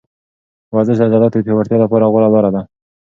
ورزش د عضلاتو د پیاوړتیا لپاره غوره لاره ده.